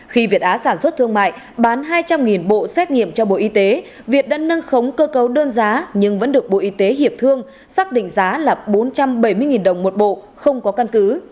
khi việt á sản xuất thương mại bán hai trăm linh bộ xét nghiệm cho bộ y tế việt đã nâng khống cơ cấu đơn giá nhưng vẫn được bộ y tế hiệp thương xác định giá là bốn trăm bảy mươi đồng một bộ không có căn cứ